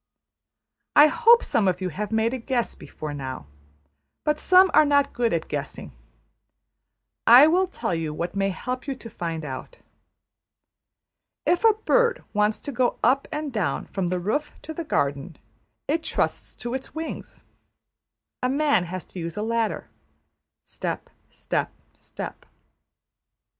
I hope some of you have made a guess before now; but some are not good at guessing. I will tell you what may help you to find out. If a bird wants to go up and down from the roof to the garden, it trusts to its wings. A man has to use a ladder: step, step, step.